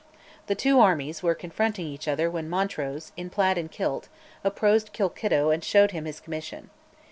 The two armies were confronting each other when Montrose, in plaid and kilt, approached Colkitto and showed him his commission.